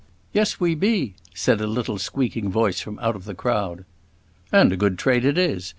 "Yes, we be," said a little squeaking voice from out of the crowd. "And a good trade it is.